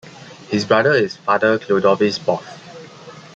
His brother is Father Clodovis Boff.